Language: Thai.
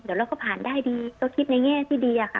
เดี๋ยวเราก็ผ่านได้ดีก็คิดในแง่ที่ดีอะค่ะ